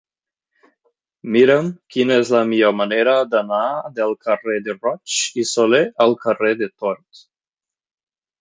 Mira'm quina és la millor manera d'anar del carrer de Roig i Solé al carrer de Tort.